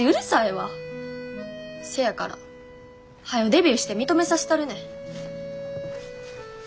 せやからはよデビューして認めさせたるねん。